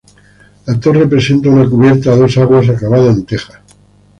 La torre presenta una cubierta a dos aguas acabada en teja.